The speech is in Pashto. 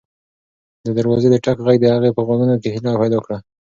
د دروازې د ټک غږ د هغې په غوږونو کې هیله پیدا کړه.